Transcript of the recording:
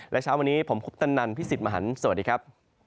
และเช้าวันนี้ผมคุปตนันพี่สิทธิ์มหันฯสวัสดีครับ